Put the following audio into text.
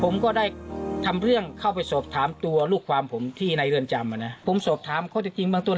มีนาคม๒๕๖๒ศาลก็ได้พิพากษายกโฟง